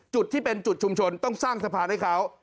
จุดที่เป็นจุดชุมชนต้องสร้างสะพานให้เขา